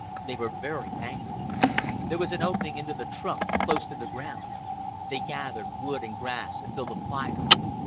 They were very angry. There was an opening into the trunk close to the ground. They gathered wood and grass and built a fire.